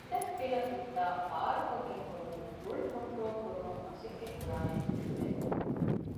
ދެދަތްޕިލަ ފިއްތާ ބާރުކޮށްގެން ހުރުމުން ރުޅި ކޮންޓްރޯލް ކުރުމަށް މަސައްކަތް ކުރާހެން ހީވެ